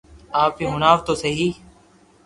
آپ ھي ھڻاو تو سھي